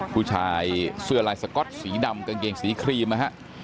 ผู้ชายเสื้อลายสก๊อตสีดำกางเกงสีครีมนะฮะ